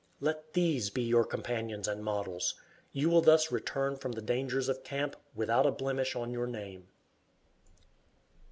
Let these be your companions and models. You will thus return from the dangers of camp without a blemish on your name.